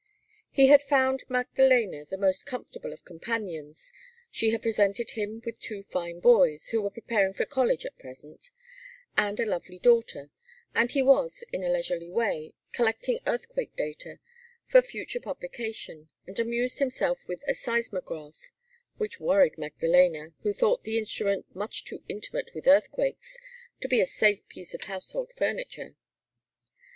He had found Magdaléna the most comfortable of companions, she had presented him with two fine boys who were preparing for college, at present and a lovely daughter; and he was, in a leisurely way, collecting earthquake data, for future publication, and amused himself with a seismograph; which worried Magdaléna, who thought the instrument much too intimate with earthquakes to be a safe piece of household furniture.